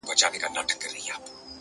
• په هوا کي ماڼۍ نه جوړېږي ,